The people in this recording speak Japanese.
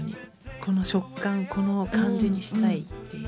この食感この感じにしたいっていう。